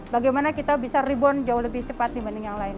bagaimana kita bisa rebound jauh lebih cepat dibanding yang lain